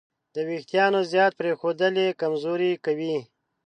د وېښتیانو زیات پرېښودل یې کمزوري کوي.